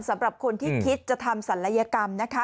สำหรับคนที่คิดจะทำศัลยกรรมนะคะ